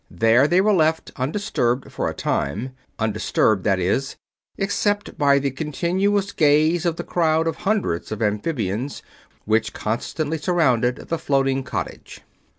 There they were left undisturbed for a time undisturbed, that is, except by the continuous gaze of the crowd of hundreds of amphibians which constantly surrounded the floating cottage.